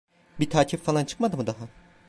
Bir takip falan çıkmadı mı daha?